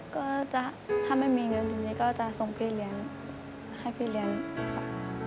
ก็จะถ้าไม่มีเงินตรงนี้ก็จะส่งพี่เลี้ยงให้พี่เลี้ยงค่ะ